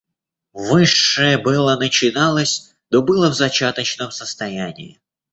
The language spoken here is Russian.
Высшее было, начиналось, но было в зачаточном состоянии.